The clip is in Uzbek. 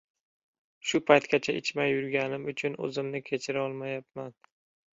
Shu paytgacha ichmay yurganim uchun oʻzimni kechira olmayapman.